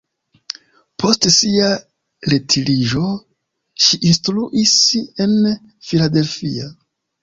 Post sia retiriĝo ŝi instruis en Philadelphia.